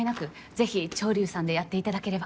是非「潮流」さんでやっていただければ。